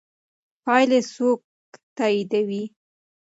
پایلې څوک تاییدوي؟